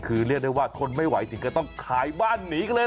คือเรียกได้ว่าทนไม่ไหวถึงก็ต้องขายบ้านหนีกันเลย